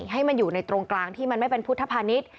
ให้มันอยู่ในตรงกลางที่มันไม่เป็นพุทธภานิษฐ์